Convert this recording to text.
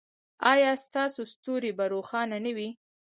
ایا ستاسو ستوری به روښانه نه وي؟